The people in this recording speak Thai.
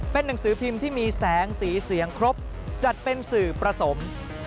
เป็นหนังสือพิมพ์ที่มีแสงสีเสียงครบจัดเป็นสื่อผสม